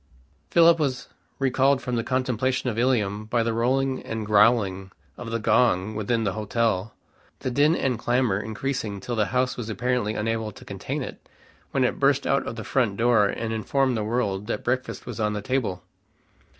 Philip was recalled from the contemplation of Ilium by the rolling and growling of the gong within the hotel, the din and clamor increasing till the house was apparently unable to contain it; when it burst out of the front door and informed the world that breakfast was on the table.